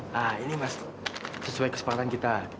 nah ini mas sesuai kesepakatan kita